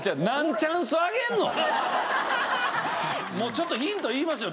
ちょっとヒント言いますよ。